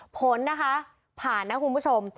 ผลนะคะผ่านนะคุณผู้ชม